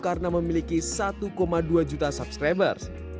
karena memiliki satu dua juta subscribers